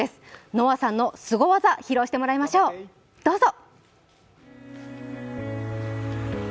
ＮＯＷＡさんのすご技、披露してもらいましょう、どうぞ。